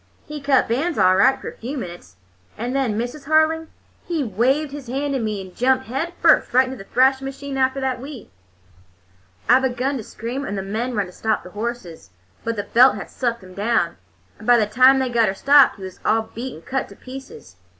He cut bands all right for a few minutes, and then, Mrs. Harling, he waved his hand to me and jumped head first right into the thrashing machine after the wheat. "I begun to scream, and the men run to stop the horses, but the belt had sucked him down, and by the time they got her stopped he was all beat and cut to pieces.